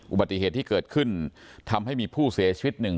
อุบัติเหตุที่เกิดขึ้นทำให้มีผู้เสียชีวิตหนึ่ง